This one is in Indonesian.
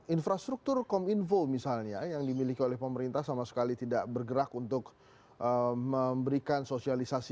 infrastruktur kominfo misalnya yang dimiliki oleh pemerintah sama sekali tidak bergerak untuk memberikan sosialisasi